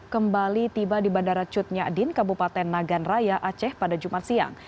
kembali tiba di bandara cutnyadin kabupaten nagan raya aceh pada jumat siang